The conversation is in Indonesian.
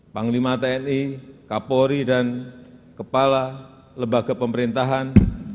panglima tni kapolri dan kepala lembaga pemerintahan